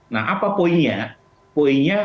nah apa poinnya poinnya